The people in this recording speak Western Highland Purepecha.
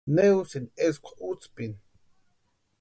¿Ne usïni eskwa útspini?